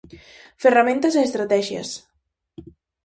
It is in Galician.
Ferramentas e estratexias.